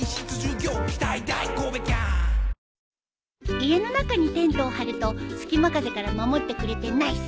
家の中にテントを張ると隙間風から守ってくれてナイス。